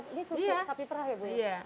ini susu sapi perah ya ibu